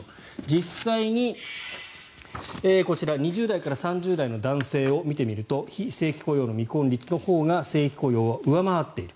実際にこちら２０代から３０代の男性を見てみると非正規雇用の未婚率のほうが正規雇用を上回っている。